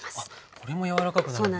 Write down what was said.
これも柔らかくなるんですね。